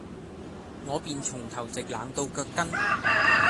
我便從頭直冷到腳跟，